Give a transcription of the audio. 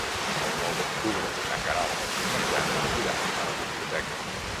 El nou d'octubre na Queralt i na Jana iran a la biblioteca.